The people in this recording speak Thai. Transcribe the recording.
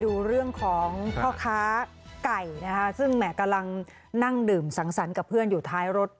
ดูเรื่องของพ่อค้าไก่นะคะซึ่งแหม่กำลังนั่งดื่มสังสรรค์กับเพื่อนอยู่ท้ายรถ